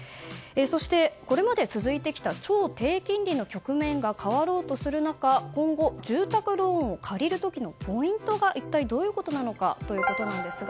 そして、これまで続いてきた超低金利の局面が変わろうとする中今後、住宅ローンを借りる時のポイントが一体どういうことなのかということですが。